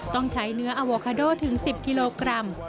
ต้องใช้เนื้ออโวคาโดถึง๑๐กิโลกรัม